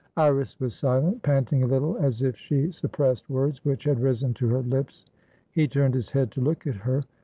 Iris was silent, panting a little as if she suppressed words which had risen to her lips. He turned his head to look at her.